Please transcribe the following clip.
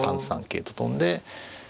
３三桂と跳んで。